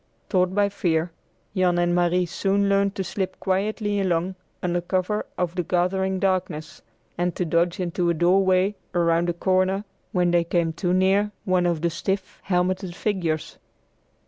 Taught by fear, Jan and Marie soon learned to slip quietly along under cover of the gathering darkness, and to dodge into a doorway or round a corner, when they came too near one of the stiff, helmeted figures.